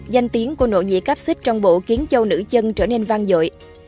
danh tiếng của nỗ nhĩ cáp xích trong bộ kiến châu nữ chân trở nên vang dội